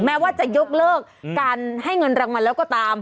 แม้ว่าจะยกเลิกการให้เงินรางวัลแล้วก็ตาม